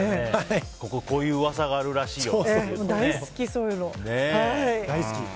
ここ、こういう噂があるらしいよみたいな。